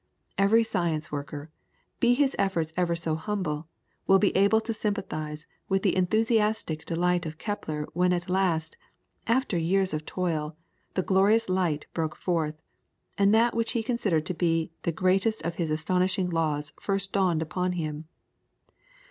Every science worker, be his efforts ever so humble, will be able to sympathise with the enthusiastic delight of Kepler when at last, after years of toil, the glorious light broke forth, and that which he considered to be the greatest of his astonishing laws first dawned upon him.